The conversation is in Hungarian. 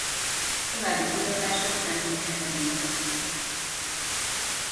További kutatása nem sok eredményt hozhat.